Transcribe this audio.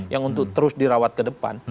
yang untuk terus dirawat ke depan